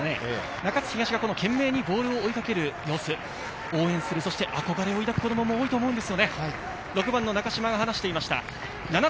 中津東が懸命にボールを追いかける様子を応援する、憧れを抱く子供も多いと思います。